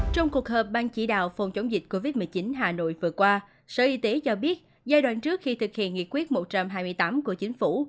trong cuộc họp ban chỉ đạo phòng chống dịch covid một mươi chín hà nội vừa qua sở y tế cho biết giai đoạn trước khi thực hiện nghị quyết một trăm hai mươi tám của chính phủ